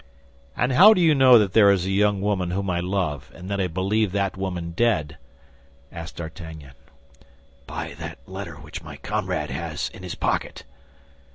"And how do you know there is a young woman whom I love, and that I believed that woman dead?" asked D'Artagnan. "By that letter which my comrade has in his pocket."